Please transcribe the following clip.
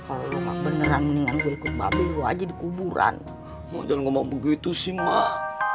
kalau beneran ikut bapak aja dikuburan mau jalan begitu sih